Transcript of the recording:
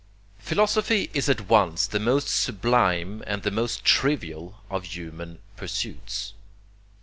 Philosophy is at once the most sublime and the most trivial of human pursuits.